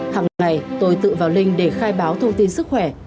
hằng ngày tôi tự vào linh để khai báo thông tin sức khỏe